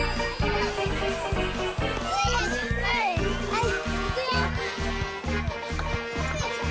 はい。